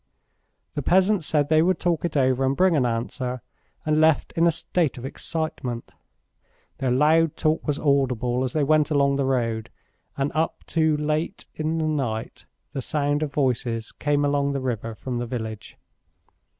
The peasants said they would talk it over and bring an answer, and left in a state of excitement. Their loud talk was audible as they went along the road, and up to late in the night the sound of voices came along the river from the village.